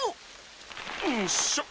ん⁉んしょ。